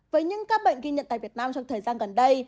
với những ca bệnh ghi nhận tại việt nam trong thời gian gần đây